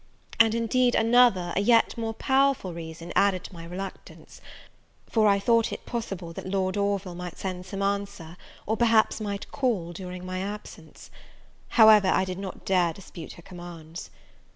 And, indeed, another, a yet more powerful reason, added to my reluctance; for I thought it possible that Lord Orville might send some answer, or perhaps might call, during my absence; however, I did not dare dispute her commands.